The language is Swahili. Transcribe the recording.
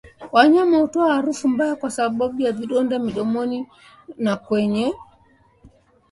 Wanyama hutoa harufu mbaya kwa sababu ya vidonda midomoni na kwenye kwato